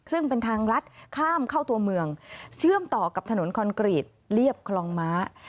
ซึ่งเป็นทางลัดข้ามเข้าตัวเมืองเชื่อมต่อกับถนนคอนกรีตเรียบคลองม้า